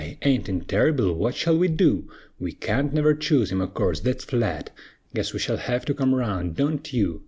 aint it terrible? Wut shall we du? We can't never choose him o' course, thet's flat; Guess we shell hev to come round, (don't you?)